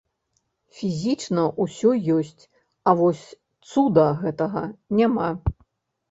Фізічна ўсё ёсць, а вось цуда гэтага няма.